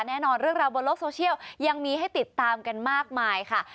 แน่นอนเรื่องราวบนโลกโซเชียลยังมีให้ติดตามกันมากมายค่ะ